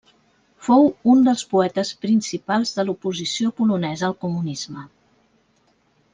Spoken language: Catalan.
Fou un dels poetes principals de l'oposició polonesa al comunisme.